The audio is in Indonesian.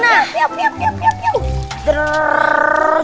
tahap perkembangan hewan